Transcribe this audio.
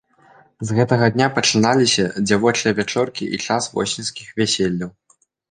З гэтага дня пачыналіся дзявочыя вячоркі і час восеньскіх вяселляў.